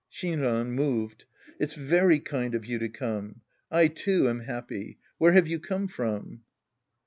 Shinran {moved). It's very kind of you to come. I, too, am happy. Where have you come from